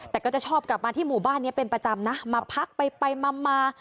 แต่ก็จะชอบกลับมาที่หมู่บ้านนี้เป็นประจำนะมาพักไปไปมามา